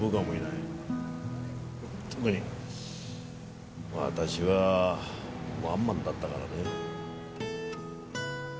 特にわたしはワンマンだったからね。